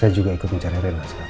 saya juga ikut mencari arena sekarang